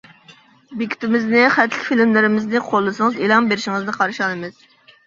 بېكىتىمىزنى، خەتلىك فىلىملىرىمىزنى قوللىسىڭىز ئېلان بېرىشىڭىزنى قارشى ئالىمىز.